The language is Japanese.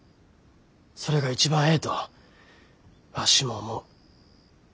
それが一番ええとわしも思う。